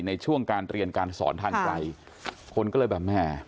ในช่วงการเรียนการสอนทางไกลคนก็เลยแบบแม่